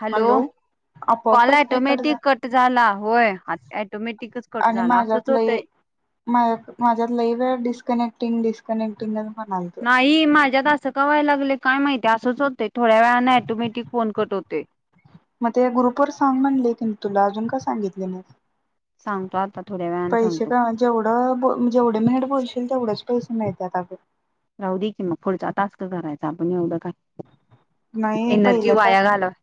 Hello call आपोआपच काय झाला ॲटोमॅटिक कट झाला. होय हा ॲटोमॅटिक कट झाला. असंच होतय, माझ्या माझ्यात लईवेळा डिस्कनेक्टिंग डिस्कनेक्टिंग [inaudible] नाही माझ्यात असं का व्हाय लागले [inaudible] काय माहिती असंच होतंय थोड्या वेळाने अटोमॅटीक फोन कट होतोय मग ते ग्रुपवर सांग म्हणले की मी तुला अजून का सांगितले नाहीस सांगतो आता थोड्या वेळाने पैसे सांगतो का जेवढं जेवढे [inaudible] बोलशील तेवढंच पैसे नाहीत आता [inaudible] राहू दे की मग पुढचा टास्क ककरायचं आपण येऊदं काय नाही एनर्जी पहिल्या वाया टास्क घालव-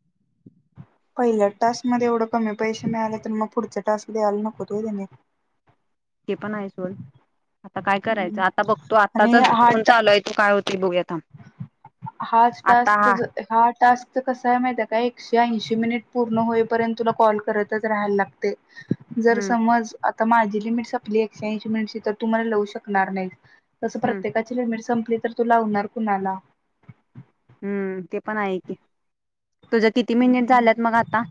पहिल्या टास्क मध्ये एवढं कमी पैसे मिळाले तर मग पुढचा टास्क द्यायला नकोत व्हय त्यानी- ते पण आहे सोड आता काय करायचं आता बघतो आणि आत्ताचाच हा फोन चालू हाय तो काय होतय बघूया थांब हाच आता टास्क हा ज हा- ते कस आहे महिता आहे काय एकशे ऐंशी मिनिट पूर्ण होईपर्यंत तुला कॉल करतच राहायला लागते. जर हम्म समज आ तर माझी लिमिट संपली एकशे ऐशी मिनिटची तर तु मला लावू शकणार नाही तसं हम्म प्रत्येकाची लिमिट सं तर तुला लावणार कुणाला? हम्म ते पण आहे की. तुझ किती मिनिट झाल्यात मग आता?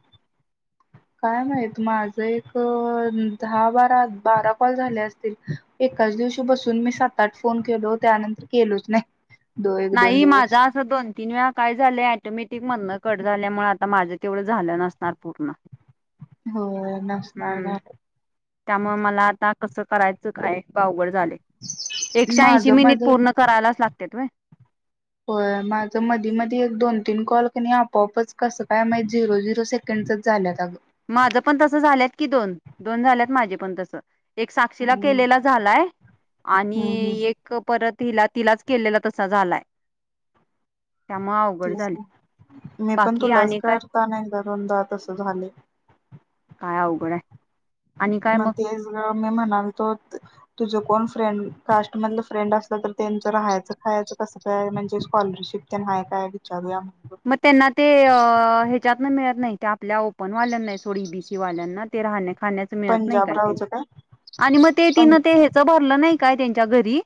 हो हम दहा- बारा- बाराआ कॉल झाले असतील एकाच दिवशी बसून मी सात-आठ फोन केलो. त्यानंतर केलोच नाही. दो एक दोन नाही दिवस. माझा असं दोन तीन वेळा काय झालं ऍटोमॅटिक मदणं कट झाल्यामुळे आ आता माझं तेवढं झालं नसणार पूर्ण. हो हम्म त्यामुळ मला आता कसं करायचं काय आवघड झाले एकशे ऐंशी माझं मिनिट पूर्ण करायलाच लाग त्यत व्हय. हो माझ मधी -मधी एक दोन तीन कॉल क नाय आपोआपच कसं काय माहित झिरो- झिरो सेकंड झाल्यात अगं. माझं पण तसं झाल्यात की दोन -दोन झाल्यात माझे पण तसं. एक साक्षीला हम्म केलेला झालाय आणि हम्म हम्म एक परत तिला -तिलाच केलेला तसा झालाय. त्यामुळे अवघड तेच झालय की मी पण बाकी तुलाच आणि काय करताना एकदा- दोनदा तस झालय. काय अवघड आहे. आणि काय मग तेच मी म्हणालतो तुझं कोण फ्रेंड कास्टमधलं फ्रेंड असलं तर त्यांचं राहायचं खायचं कसं काय म्हणजे स्कॉलरशिप त्यांन हाय काय विचारूया. म्हणून. मग त्यांना ते त्यातन मिळत नाही त्या आपल्या ओपनवाल्यांना हाय सोड बीसी वाल्यांना ते राहण्या खाण्याच मिळत नाही काय ते आणि मग ते पण तिनं ते ह्याच भरलं नाही काय त्यांच्या घरी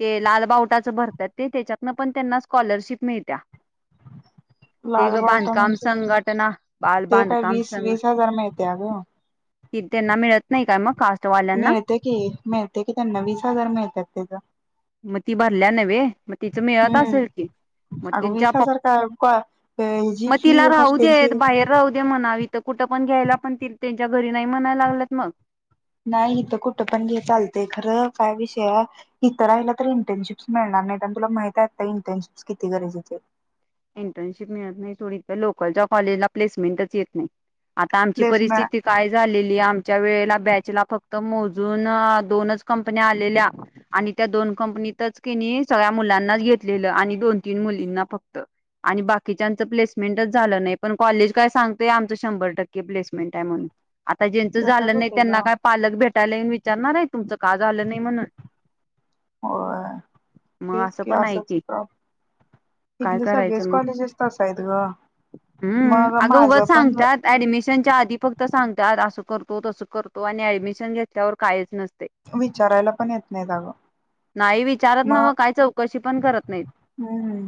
ते लालबावटाच भरतात ते त्याच्यातन पण त्यांना स्कॉलरशिप मिळत्या. तेघ लालबावटा बांधकाम म्हणजे संघटना बाल ते काय बांधकाम वीस संघ वीस हजार मिळते अगं कि त्यांना मिळत नाही का मग कास्टवाल्यांना. मिळते की मिळते की त्यांना वीस हजार मिळतात त्याच म ती भरल्या् नव्हे. मग तिचं मिळत हम्म असेल की मग अग तिच्या वीस प हजार काय जी मग फी तिला राहू दे्त हॉस्टेलची बाहेर राहू दे् म्हणाव हित कुठं पण घ्यायला पण त च्या घरी नाही म्हणायला लागत मग. नाही इथं कुठं पण घे चालतय खरं काय विषय इथं राहिल तर इंटर्नशिप्स मिळणार तुला माहीत असतय इंटर्नशिप किती गरजेची आहे ते. इंटर्नशिप मिळत नाही सोड हित लोकलच्या कॉलेजला प्लेसमेंटच येत नाही. आता आमची प्लेसमेंट परिस्थिती काय झालेली आ च्या वेळेला बॅचला फक्त मोजून दोनच कंपन्या आलेल्या आणि त्या दोन कंपन्या मी तरच कि सगळ्या मुलांनाच घेतलेलं आणि दोन तीन मुलींना फक्त आणि बाकीच्यांचं प्लेसमेंटच झालं नाही पण कॉलेज काय सांगतय आमचं शंभर टक्के प्लेसमेंट आहे म्हणून. आता ज्यांचं तसंच झालं नाही होते ग त्यांना काय पालक भेटायला येन विचारणार आहे तुमचं का झालं नाही म्हणून. होय मग तेच असं पण आहे की. काय तिथले सगळेच कॉलेजेस तसाय आहेत ग. हम् मग अगं उगच माझं पण सांगतात ऍडमिशनच्या आधी फक्त सांगतात. अस करतो तस करतो आणि ऍडमिशन घेतल्यावर काहीच नसत. विचारायला पण येत नाही आगं. नाही विचारत ना मग काय चौकशी पण करत नाहीत. हम्म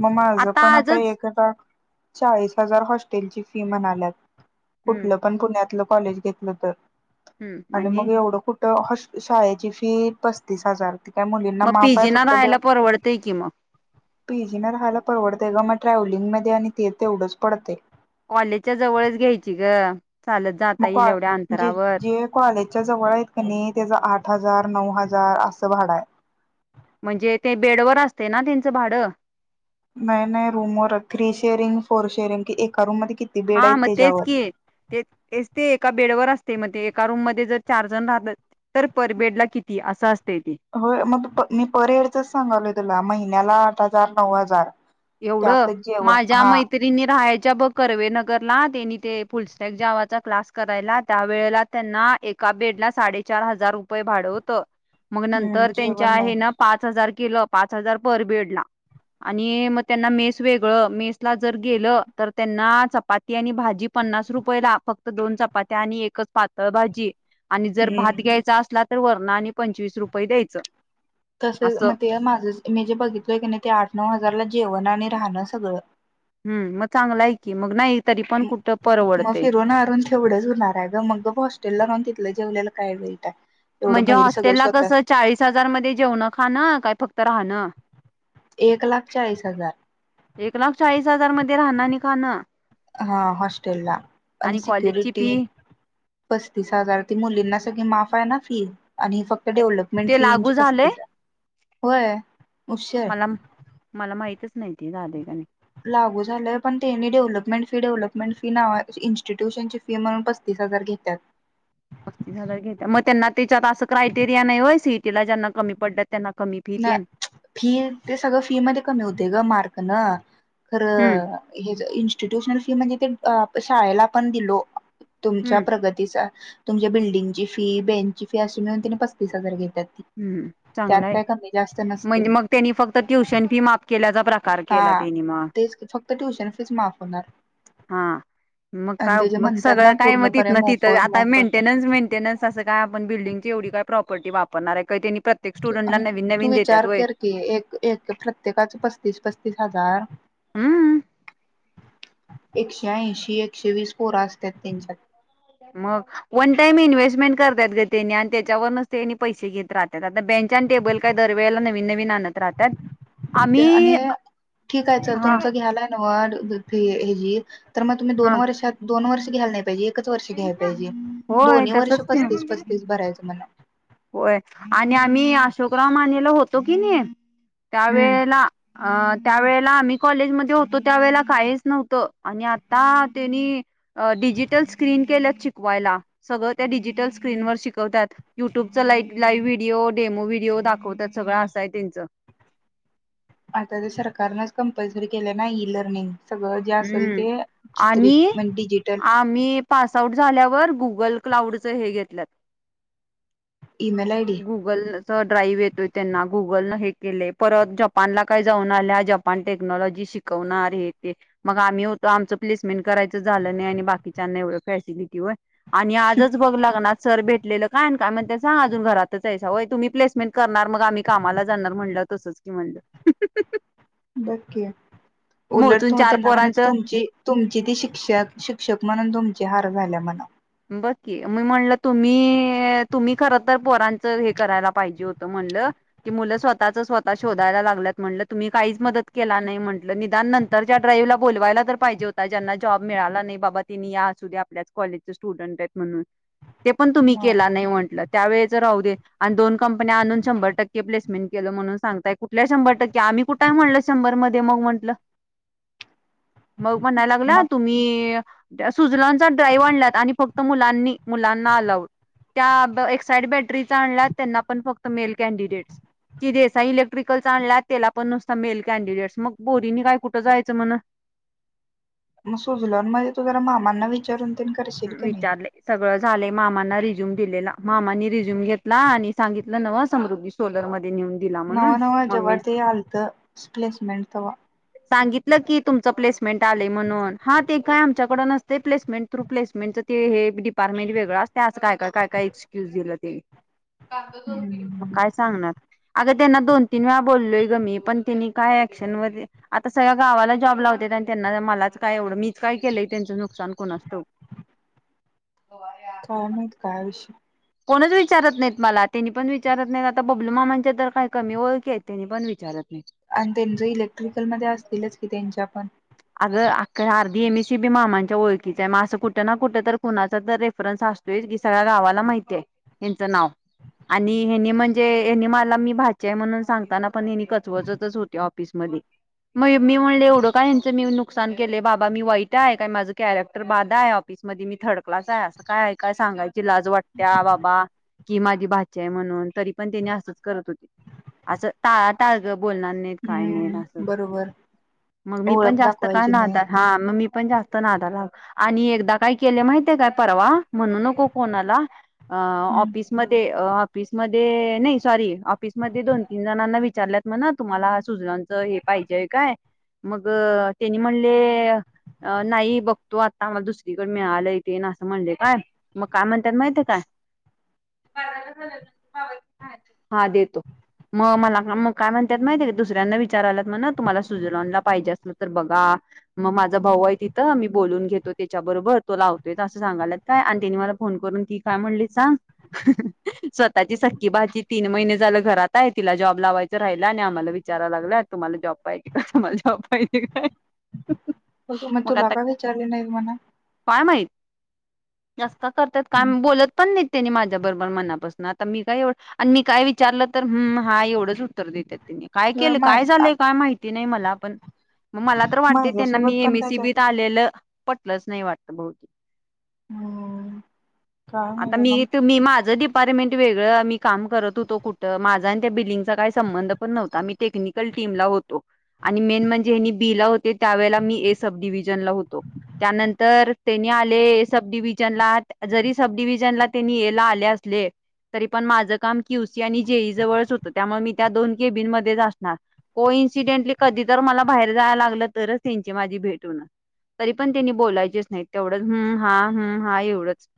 मग माझ पण आता एक चाळीस हजार हॉस्टेलची फी म्हणाल्यात. हम्म कुठलं पण पुण्यातलं कॉलेज घेतलं तर आणि मग एवढं कुठ शाळेची फी पस्तीस हजार. मुलींना मग माफ पीजीना फक्त राहायला परवडतय की मग पीजी ना राहायला परवडते ग. ट्रॅव्हलिंग मध्ये आणि ते तेवढंच पडते. कॉलेजच्या जवळच घ्यायची ग. चालत जाता मग येईल एवढ्या अंतरावर जे कॉलेजच्या जवळ आहेत का नाही त्याचा आठ हजार नऊ हजार असं भाड आहे. म्हणजे ते बेडवर असते ना त्यांचं भाडं. नाहीय नाही रूमर थ्री शेअरिंग फोर शेअरिंग एका रूम मध्ये किती बेड हा आहेत मग तेच त्याच्यावर की तेच ते एका बेडवर असते. एका रूम मध्ये जर चार जण राहत तर पर बेड ला किती अस अस हो मग मी परेडचच सांगालय तुला महिन्याला आठ हजार नऊ हजार एवढं त्यातच जेवण माझ्या हा मैत्रिनी राहायच्या बघ करवेनगरला त्यांनी ते फुलस्टॅक जावा चा क्लास करायला त्यावेळेला त्यांना एका बेड ला साडेचार हजार रुपये भाड होत. मग हम्म नंतर त्यांच्या जेवण नाही हे ना पाच हजार केलं पाच हजार पर बेडला आणि मग त्यांना मेस वेगळं मेस ला जर गेलं तर त्यांना चपाती आणि भाजी पन्नास रुपये ला फक्त दोन चपात्या आणि एकच पातळ भाजी आणि जर भात हम्म घ्यायचा असला तर वरण आणि पंचवीस रुपये द्यायचं. तस असं मग ते माझं मी जे बघितलय की नाही ते आठ नऊ हजारला जेवण आहे राहणं सगळं. हम् मग चांगलं कि मग नाही तरी पण कुठं मग परवडते फिरून मारून तेवढंच होणार आहे ग मग ग हॉस्टेल ला राहून तिथलं जेवलेलं काय वाईट हाय. म्हणजे हॉस्टेलला कसं चाळीस हजार मध्ये जेवणं खाणं काय फक्त राहणं. एक लाख चाळीस हजार एक लाख चाळीस हजार मध्ये राहणार नाही खाणं. हा हॉस्टेल ला आणि कॉलेजची सिक्युरिटी फी पस्तीस हजार ती मुलींना सगळी माफ आहे ना फी. आणि फक्त डेव्हलपमेंट ते फी यांची लागू झालंय पस्तीस आहे. होय उषेर मला मला माहितच नाही ते झालयं का नाही. लागू झालंय पण त्यांनी डेव्हलपमेंट फी डेव्हलपमेंट फी नाव इंस्टिट्यूशनची फी म्हणून पस तीस हजार घेत्यात. पस्तीस हजार घेत मग त्यांना त्याच्यात असं क्रायटेरिया नाही हो सिइटीला ज्यांना कमी पडत त्यांना कमी फी ते नाही फी ते सगळं फी मध्ये कमी होते ग मार्क न हम्म खरं हे इन्स्टिट्युशनल फी म्हणजे ते शाळेला पण दिलो. तुमच्या हम्म प्रगतीचा तुमच्या बिल्डिंगची फी बेंचची फी अशी मिळून तिने पस्तीस हजार घेतली. हम्म चांगलाय नसते म्हणजे मग त्यांनी फक्त ट्युशन फी माफ केल्याचा प्रकार हा केला त्यांनी मग तेच फक्त ट्युशन फीज माफ होणार. हा. मग आणि काय ते जे मग म्हणतात सगळं ना काय म पूर्णपणे तीतन तिथं मोफत आता मोफत मेंटेन्स मेंटेन्स असं काय आपण बिल्डिंगची तेवढी काय प्रॉपर्टी वापरणार आहे का त्यांनी प्रत्येक स्टुडंटला आणि नवीन तू नवीन देतात विचार व्हय कर की एक एक प्रत्येकाच पस्तीस पस्तीस हजार. हम्म. एकशे ऐंशी, एकशे वीस पोरं असतात त्यांच्यात मग वन टाइम इन्व्हेस्टमेंट करतात ग त्यांनी आणि त्याच्यावरच तनी पैसे घेत राहत्यात. बेंच आणि टेबल काय दरवेळेला नवीन नवीन आणत राहतात. ते आणि आम्ही ठीक आहे चल हा तुमचं घ्यालाय ना व हे ते तर मग तुम्ही दोन हा वर्षात दोन वर्ष घ्यायला नाही पाहिजे. एकच वर्ष घ्याय पाहिजे होय दोन्ही वर्ष तसच की पस्तीस पस्तीस भरायचं मना. होय आणि आम्ही अशोकराव माने ला होतो की नाही. हम्म त्यावेेळेला अं. त्या वेळेला आम्ही कॉलेजमध्येध्ये होतो त्यावेेळेला काहीच नव्हतं,, आणि आता त्यांनी अं डिजिटल स्क्रीन केल्यात शिकवायला,, सगळं त्या डिजिटल स्क्रीनवर शिकवत्यात, यू यट्यूबच लाई लाईव्ह व्हिडिओ, डेमो व्हिडिओ दाखवतात सगळं असा हाय त्यांचं. आता ते सरकारनंच कंपल्सरी केलं नाही, इ लर्निंग. सगळं जे असेल हम्म ते,, चित्रित आणि म्हजे डिजिटल. आम्ही पास आउट झाल्यावर, गुगल क्लाउडच हे घेतल्यात. ईमेल आयडी गुगलच ड्राईव्ह येतोय त्यांना गुगल न हे केलय,, परत जपानला काय जाऊन आल्यात जपान टेक्नॉलॉजी शिकवणार हे ते मग आम्ही आमच प्लेसमेंट करायचं झालं नाही,, आणि बाकीच्याना एवढं फॅसिलिटी होय- आणि आजच बघ लाग्यणात सर भेटलेलं काय आना काय म्हणतात सांग? अ घरातच आयसा होय, तुम्ही प्लेसमेंट करणार मग आम्ही कामाला जाणार म्हणलाव तसच की म्हणलं बग की, उलट मोजून तु चार त्यांना म्हणायच पोरांचं तुमची, तुमची ती शिक्षक, शिक्षक म्हणून तुमची हार झाल्या म्हणाव. बघ की,, मी म्हणलं तुम्ही, तुम्ही खर तर पोरांचं हे करायला पाहिजे होत म्हणलं मुलं स्वतःच स्वतः शोधायला लागल्यात म्हटलं, तुम्ही काहीच मदत केला नाही म्हटलं निदान नंतर ड्राईव्ह ला बोलावायला तर पाहिजे होता, ज्यांना जॉब मिळाला नाही बाबा तिनी या असूद्या आपल्याच कॉलेज स्टूडेंट हायत म्हणून, ते पण तुम्ही मग केला नाही म्हटलं. त्यावेेळीच राहु दे,, आणि दोन कंपन्या आणून शंभर टक्के प्लेसमेंट केलं म्हणून सांगयताय, कुठल्या शंभर टक्के कुठाय म्हटल शंभर मधे मग म्हंटलं मग म्हणाय लागला,, मग तुम्ही सुझलॅडचा ड्राईव आणल्यात आणि फक्त मुलांनी,, मुलांना आलाव त्या एक्साइड बॅटरीचा आणला त्यांना पण फक्त मेल कॅनडिडेट्स कि देसाइ इलेक्ट्रिकल आणला,, त्याला पण नूसता मेल कॅनडिडेट्स, मग पोरीनी काय, कुठं जायचं मग [unintelligible] मग सुझलॅन मध्ये तू जरा मामांना विचारून तेन करशील की नाही विचारलय, सगळं झालय, मामांना रिझ्युम दिलेला, मामानी रिझ्युम घेतलाऽ आणि सांगितलं नव समृद्धी सोलर म नव्ह नव्ह जवारद आलतं, प्लेसमेंट तवा सांगितलं की तुमचं प्लेसमेंट आलय म्हणून,, हा ते काय? च्याकड नसतय, प्लेमेंट थू प्लेसमेंटं ते हे डिपार्टमेंट वेगळं असतय असं काय, काय, काय एक्स्यज दिल्यात हम्म काय सांगणार, अग त्यांना दोन, तीन वेळा बोलोय ग मी पण त्यांनी काय एक्शन मध्ये आता सगळ्या गावाला जॉब लावत्यात, आणि त्यांना मलाच काय एवढं, मीच काय केलंय त्यांचं नुकसान कूणास ठाऊक. [unintelligible] काय माहीत काय विषय? कोणच विचारत नाहीत मला, त्यांनी पण विचारत नाहीत, आता बबलू मामांच्या तर काही कमी ओळखी आहत पण विचारत आणि त्यांचे इलेक्ट्रिकलमध्ये असतीलच की त्यांच्या पण--? अगं अ आरदीी एमसी बी मामांच्या ओळखीच आहे असं कुठं ना कुठं तर कुणाचा तर रेफरन्स की सगळ्या गावाला माहितीे त्यांचं नाव आणि हेनी म्हणजे हनी मला मी भाचे आहे म्हणून सांगताना [inaudible] मी नुकसान केले बाबा मी वाईट आहे काय माझं कॅरेक्टर बाध आहे ऑफिस मध्ये मी थर्ड क्लास आहे असं काय काय सांगायची लाज वाटत्या बाबा कि माझी भाचे आहे म्हणून तरी पण त्यानी असंच करत होते असं टाळा‌ टाळ गं- बोलणार नाही काय नाही अस हम्म बरोबर मग मी पण ओळख जास्त दाखवायची नाही काय हा मग मी पण जास्त नादाला आणि एकदा काय केले माहिती काय परवा म्हणू नको कोणाला हम्म ऑफिसमध्ये? ऑफिसमध्ये नाही सॉरी ऑफिसमध्ये दोन तीन जणांना विचारल्यात मणा तुम्हाला सुजनाच हे पाहिजे हाय काय मग त्यांनी म्हणले नाही बघतो आता आम्हाला दुसरीकडे मिळालं तेे ना असं म्हणले काय मग काय म्हणतातय माहिितय काय? झा हा देतो. मग मला मग काय म्हणतात माहितीय दुसऱ्यांना विचारायला मग ना तुमला स्विझर्लंडला पाहिजे अस. तर बघा मग माझा भाऊ आहे तिथं मी बोलून घेतो त्याच्याबरोबर तो लावतोय असं सांगायला. आणि त्यांनी मला फोन करून ती काय म्हणली सांग स्वतःची सकी भाज तीन महि लं घरात आहे तिला जॉब लावायचं राहिला आणि आम्हा विाराव लाग तुम्हाला जॉब पाहिजे का आम्हाला जॉब पाहिजे. रीकामा आहे. मग तू लगा विचारले नाही मणा [unintelligible] असस का करतात हम्म. काय बोलत. पण दते माझ्या बरोबर मनापासून आता मी काय एवढं आणि मी काय विचारलं तर हम हा एवढंच उत्तर देते. काय तर केलं मा काय आ- झालं काय माहिती नाही मला पण मग मला तर वाटते त्यांना मी माझ्यासोबत पण काय जास्त एमएसीबीत आलेलं पटलंच नाही वाटत बती होम. आता मी मी माझं. अपार्टमेंट वेगळं मी काम करत होतो कुठं माझा आणि त्या बिल्िंगचा काही संबंध पणव्हता आ म् टेक्निकल ीम ला होतो. आणि मेन म्हणजेनी बीला होते त्यावेळेला मी ए सब डिव्हजनला होतो त्यानंतर त्यानी आले सब डिव्हजनला जरी सब डिव्हजनला त्यांनी याला आले असले. तरी पण माझं काम क्यवसी आणि जेई जवळच होतं त्यामुळे मी त्या दोन केबिन मच असणार को. इन्सिडेंटली कधी तर मला बाहेर जायला लागलं तरच त्यांची माझी भेट होण. तरी पण त्यांनी बोलायचेच नाही तेवढंचम हा हम हा एवढंच.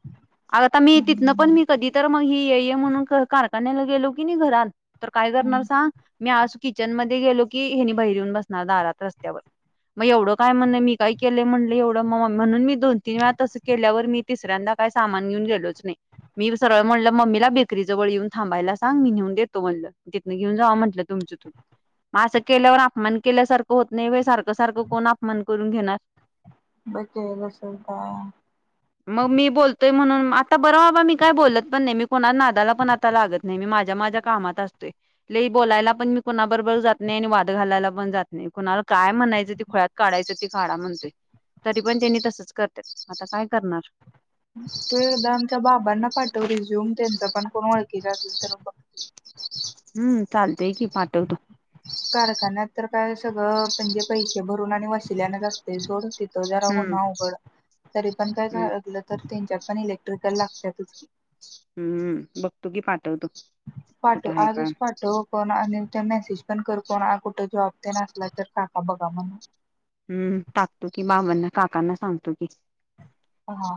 आग आता मी तिथ ना पण हम्म मी कधी तर मग ही ये म्हणून कारखान्याला गेलो की नाही घरात तर काय करणार हम्म. सांग मी आज किचन म गेलो की हेनी बहिरी येऊन बसणार दारात रस्त्यावर मग एवढं काय म्हण मी काय केले म्हणले एवढं म म्हणून मी दोन तीन वेळा तसं केल्यावर मी तिऱ्या दाखव. काय सामान घेऊन गेलोच नाही. मी सरळ म्हटलं मम्मीला बेरीजवळ येऊन थांबायला सांग मीेऊन देतो म्हटलं तथनं घेऊन जा म्हटलं तुम्ही त मग असं केल्यावर अपमान केल्यासारखं होत नाही सारखं सारखं कोण अपमान करून घेणार. बकेरा चलत आहे. मग मी बोलत. म्हणून आता बरं बाबा मी काय बोलत पण नाही मी कोणा नादाला पण आता लागत नाही मी माझ्या माझ्या कामात असतो. बोलायला पण मी कुणाबरोबर जात नाही आणि वाद घालायला पण जात नाही कुणाला काय म्हणायचं ते ळ्यात काढायच ती काडा म्हणते तरी पण त्यांनी तसच करते आता काय करणार. तू एकदा आमच्या बाबांना पाठव रिझ्यूम त्यांच पण कोण ओळखीचा असल तर बघ. हम्म चालतय की पाठवतो. कारखान्यात तर काय सगळं म्हणजे पैसे भरून आणि वसिल्यान जा असते सोड होते. जरा हम्म होघड [unintelligible] तरी पण काय हम्म झागलं तर तेमच्यांत पण इलेक्ट्रिकल लागत्यातचकी हम्म बघतु की पाठ. पाठव आजच पाठव कोण आणि मेसेज पण करो कोना कुठ जॉब तेन असल तर टाका बघा म्हण. हम्म टाकतो कि मामांना काकांना सांगतो कि हा.